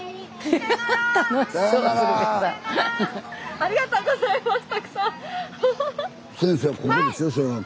ありがとうございますたくさん。